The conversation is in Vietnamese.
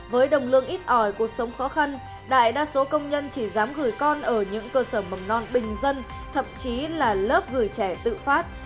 với đồng lương ít ỏi cuộc sống khó khăn đại đa số công nhân chỉ dám gửi con ở những cơ sở mầm non bình dân thậm chí là lớp gửi trẻ tự phát